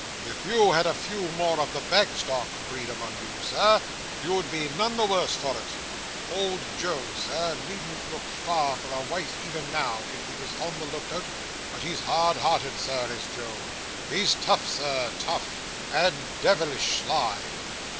If you had a few more of the Bagstock breed among you, Sir, you'd be none the worse for it. Old Joe, Sir, needn't look far for a wife even now, if he was on the look out; but he's hard hearted, Sir, is Joe—he's tough, Sir, tough, and de vilish sly!"